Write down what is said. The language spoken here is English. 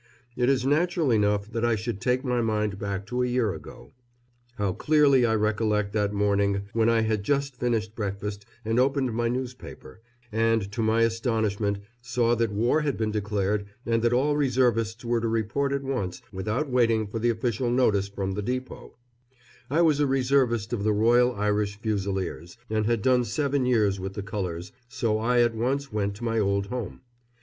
It is natural enough that I should take my mind back to a year ago. How clearly I recollect that morning when I had just finished breakfast and opened my newspaper, and to my astonishment saw that war had been declared and that all Reservists were to report at once, without waiting for the official notice from the depot. [Illustration: To face p. 94. ROYAL IRISH FUSILIERS IN TRENCHES IN GALLIPOLI.] I was a Reservist of the Royal Irish Fusiliers, and had done seven years with the colours, so I at once went to my old home.